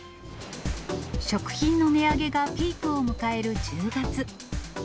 食品の値上げがピークを迎える１０月。